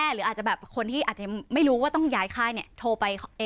หรืออาจจะแบบคนที่อาจจะไม่รู้ว่าต้องย้ายค่ายโทรไป